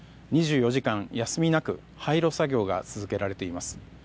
２４時間、休みなく廃炉作業が続けられています。